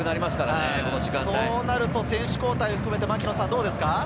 そうなると選手交代を含めてどうですか？